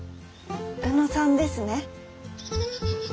鵜野さんですね。